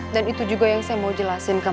dan itu juga yang saya mau jelasin ke mas